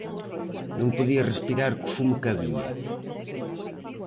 Non podía respirar co fume que había.